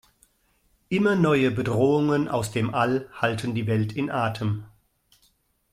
Immer neue Bedrohungen aus dem All halten die Welt in Atem.